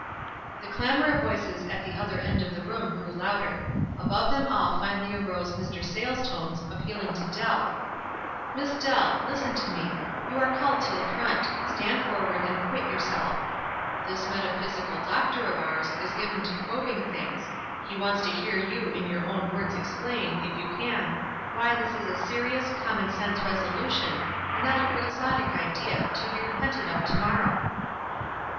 The clamor of voices at the other end of the room grew louder. Above them all finally arose Mr. Sayles' tones, appealing to Dell, — "Miss Dell ! Listen to me. You are called to the front ; stand forward and acquit yourself. This metaphysical doctor of ours is given to probing things — he wants to hear you in youi own words explain, if you can, why this is a serious, common sense resolution, and not a quixotic idea, to be repented of to morrow?"